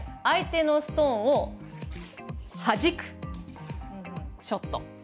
相手のストーンをはじくショット。